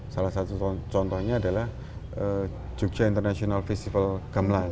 salah satu contohnya adalah jogja international festival gamelan